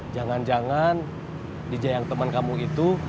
jangan jangan dija yang teman kamu itu